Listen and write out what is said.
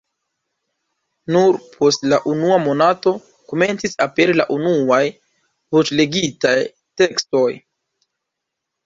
Nur post la unua monato komencis aperi la unuaj voĉlegitaj tekstoj.